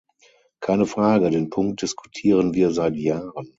Keine Frage, den Punkt diskutieren wir seit Jahren.